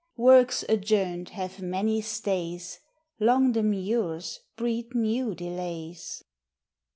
Workes adjourned have many staves, Long demurres breed new delayes.